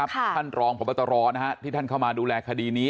ท่านรองพตที่เข้ามาดูแลคดีนี้